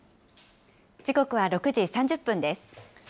時刻は６時３０分です。